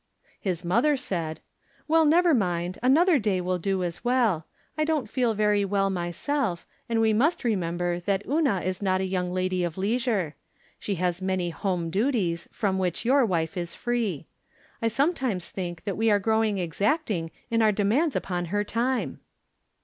His mother said :" Well, never mind ; another day will do as well. I don't feel very well myself, and we must remember that Una is not a young lady of lei sure. She has many home duties from which your wife is free. I sometimes think that we are growing exacting in our demands upon her time."